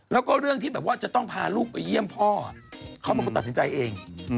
แล้วก็เรื่องที่แบบว่าจะต้องพาลูกไปเยี่ยมพ่อเขาเป็นคนตัดสินใจเอง